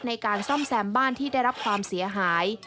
ในการซ่อมแซมบ้านที่ได้รับความเสียหาย